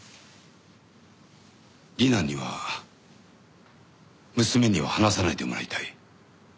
里奈には娘には話さないでもらいたい。